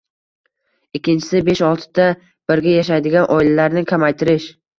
Ikkinchisi, besh-oltita birga yashaydigan oilalarni kamaytirish.